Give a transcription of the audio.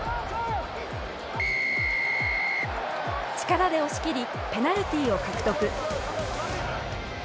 力で押し切りペナルティーを獲得。